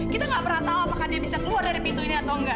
kita gak pernah tau apakah dia bisa keluar dari pintunya atau enggak